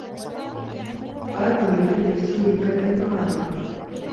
أعدّوا لكلب السوء كلبا يعادله